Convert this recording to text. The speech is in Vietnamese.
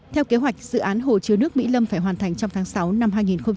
theo kế hoạch dự án hồ chứa nước mỹ lâm phải hoàn thành trong tháng sáu năm hai nghìn hai mươi